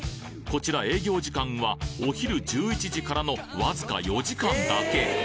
こちら営業時間はお昼１１時からのわずか４時間だけ。